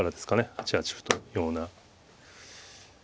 ８八歩とような。